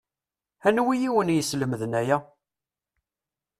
Anwi i wen-yeslemden aya?